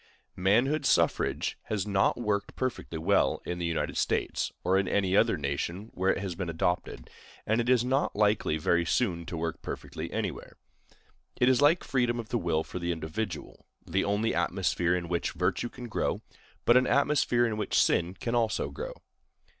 Manhood suffrage has not worked perfectly well in the United States, or in any other nation where it has been adopted, and it is not likely very soon to work perfectly anywhere. It is like freedom of the will for the individual—the only atmosphere in which virtue can grow, but an atmosphere in which sin can also grow.